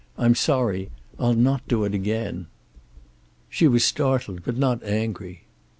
"I'm sorry. I'll not do it again." She was startled, but not angry.